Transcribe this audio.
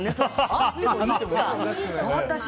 あってもいいわね。